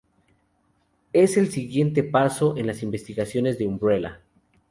Es el siguiente paso en las investigaciones de Umbrella.